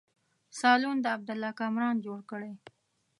سالون د عبدالله کامران جوړ کړی.